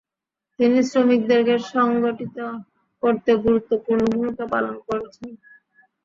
তিনি শ্রমিকদেরকে সংগঠিত করতে গুরুত্বপূর্ণ ভূমিকা পালন করেছেন।